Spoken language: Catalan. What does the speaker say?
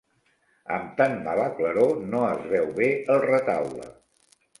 Amb tan mala claror no es veu bé el retaule.